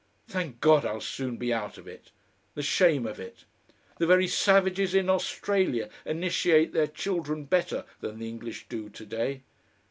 Thank God! I'll soon be out of it! The shame of it! The very savages in Australia initiate their children better than the English do to day.